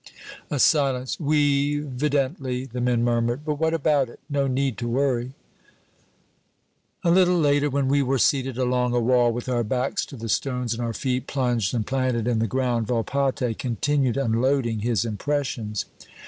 A silence. "Oui, 'vidently," the men murmured; "but what about it? No need to worry." A little later, when we were seated along a wall, with our backs to the stones, and our feet plunged and planted in the ground, Volpatte continued unloading his impressions.